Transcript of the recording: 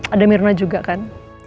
ada myrna juga kan